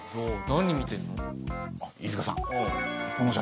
何見てんの？